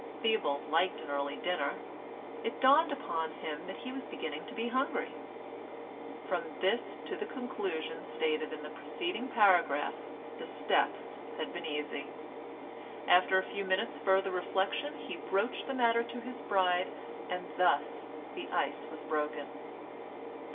Theobald liked an early dinner; it dawned upon him that he was beginning to be hungry; from this to the conclusion stated in the preceding paragraph the steps had been easy. After a few minutes' further reflection he broached the matter to his bride, and thus the ice was broken.